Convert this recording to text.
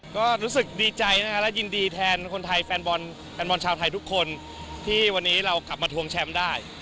ก็รู้สึกดีใจนะคะและยินดีแทนคนไทยแฟนบอลแฟนบอลชาวไทยทุกคนที่วันนี้เรากลับมาทวงแชมป์ได้